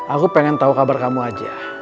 aku pengen tahu kabar kamu aja